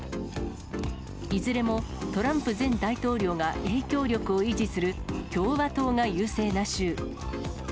いずれも、トランプ前大統領が影響力を維持する共和党が優勢な州。